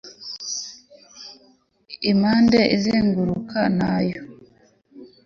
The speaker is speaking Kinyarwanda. Impande izenguruka nayo